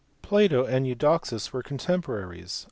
Plato and Eudoxus were contemporaries.